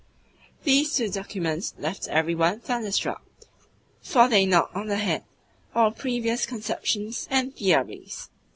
These two documents left every one thunderstruck, for they knocked on the head all previous conceptions and theories.